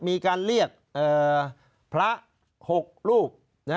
มีการเรียกพระ๖รูป